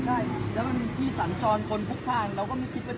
ตอนนี้กำหนังไปคุยของผู้สาวว่ามีคนละตบ